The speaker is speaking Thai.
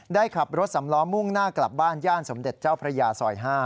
ได้ขับรถสำล้อมุ่งหน้ากลับบ้านย่านสมเด็จเจ้าพระยาซอย๕